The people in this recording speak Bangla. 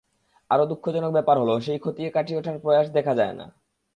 আরও দুঃখজনক ব্যাপার হলো, সেই ক্ষতি কাটিয়ে ওঠার প্রয়াস দেখা যায় না।